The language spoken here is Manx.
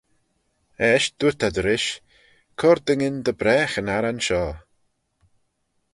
Eisht dooyrt ad rish, Cur dooinyn dy bragh yn arran shoh.